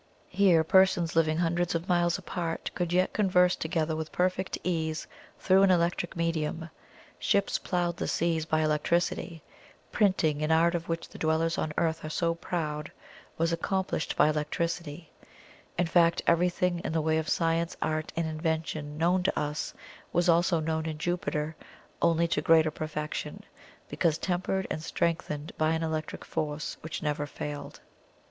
Here persons living hundreds of miles apart could yet converse together with perfect ease through an electric medium; ships ploughed the seas by electricity; printing, an art of which the dwellers on Earth are so proud, was accomplished by electricity in fact, everything in the way of science, art, and invention known to us was also known in Jupiter, only to greater perfection, because tempered and strengthened by an electric force which never failed.